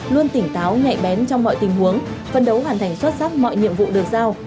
luôn tỉnh táo nhạy bén trong mọi tình huống phân đấu hoàn thành xuất sắc mọi nhiệm vụ được giao